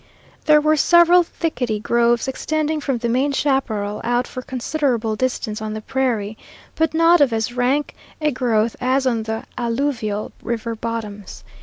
There were several thickety groves, extending from the main chaparral out for considerable distance on the prairie, but not of as rank a growth as on the alluvial river bottoms.